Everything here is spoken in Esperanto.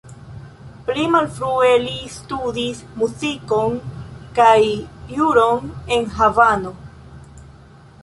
Pli malfrue li studis muzikon kaj juron en Havano.